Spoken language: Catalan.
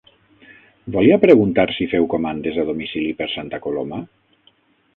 Volia preguntar si feu comandes a domicili per Santa Coloma?